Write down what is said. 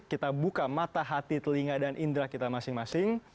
kita buka mata hati telinga dan indera kita masing masing